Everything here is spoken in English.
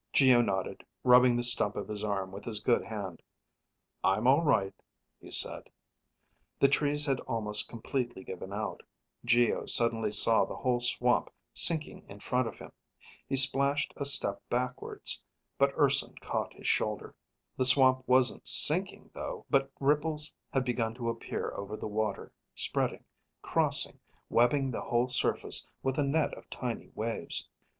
Geo nodded, rubbing the stump of his arm with his good hand. "I'm all right," he said. The trees had almost completely given out. Geo suddenly saw the whole swamp sinking in front of him. He splashed a step backwards, but Urson caught his shoulder. The swamp wasn't sinking, though. But ripples had begun to appear over the water, spreading, crossing, webbing the whole surface with a net of tiny waves.